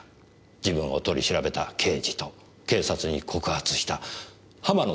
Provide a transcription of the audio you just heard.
自分を取り調べた刑事と警察に告発した浜野さんのせいに。